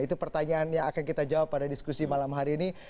itu pertanyaan yang akan kita jawab pada diskusi malam hari ini